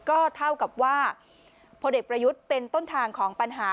ก็เท่ากับว่าพลเอกประยุทธ์เป็นต้นทางของปัญหา